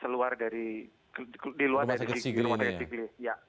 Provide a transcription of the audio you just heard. rumah sakit di rumah sakit sigli ini ya